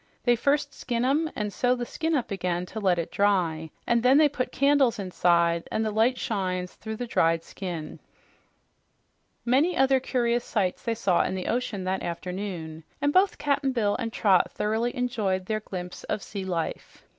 "They first skin 'em and sew the skin up again to let it dry, and then they put candles inside, and the light shines through the dried skin." Many other curious sights they saw in the ocean that afternoon, and both Cap'n Bill and Trot thoroughly enjoyed their glimpse of sea life.